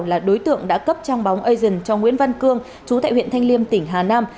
là đối tượng đã cấp trang bóng asian cho nguyễn văn cương chú tại huyện thanh liêm tỉnh hà nam